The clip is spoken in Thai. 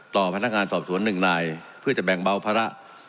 พนักงานสอบสวนหนึ่งนายเพื่อจะแบ่งเบาภาระ